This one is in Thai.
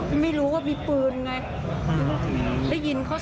พี่ไม่รู้ว่าเขาจะยิงกัน